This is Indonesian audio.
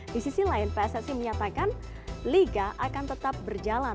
di sisi lain pssi menyatakan liga akan tetap berjalan